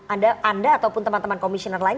anda ataupun teman teman komisioner lain